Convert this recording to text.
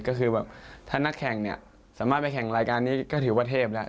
ก็คือแบบถ้านักแข่งเนี่ยสามารถไปแข่งรายการนี้ก็ถือว่าเทพแล้ว